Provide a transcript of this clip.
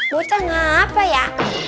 bocah ngapasih ya